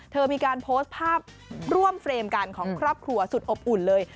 เธอมีการโพสต์ภาพร่วมเฟรมกันของครอบครัวสุดอบอุ่นเลย